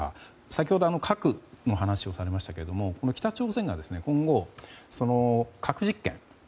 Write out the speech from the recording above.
先ほど核の話をされましたが北朝鮮が今後核実験。